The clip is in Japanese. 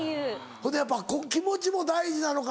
ほいでやっぱ気持ちも大事なのか。